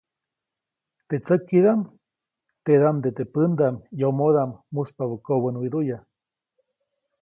Teʼ tsäkidaʼm, teʼdaʼmde teʼ pändaʼm yomodaʼm muspabä kobänwiduʼya.